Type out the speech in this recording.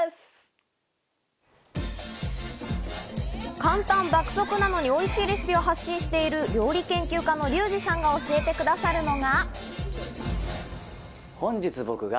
簡単・爆速なのにおいしいレシピを発信している、料理研究家のリュウジさんが教えてくださるのが。